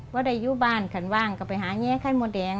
เราได้อยู่บ้านว่างก็ไปสบลง